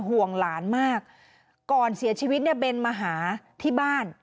ห่วงหลานมากก่อนเสียชีวิตเนี่ยเบนมาหาที่บ้าน